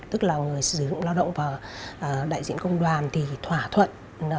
tức là người sử dụng lao động và đại diện công đoàn thì thỏa thuận